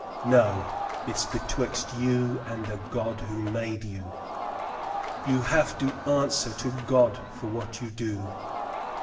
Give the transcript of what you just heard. "No. It's betwixt you and the God who made you. You have to answer to God for what you do."